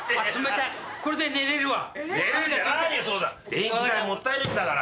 電気代もったいないんだから。